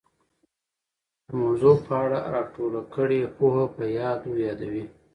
د موضوع په اړه را ټوله کړې پوهه په یادو یادوي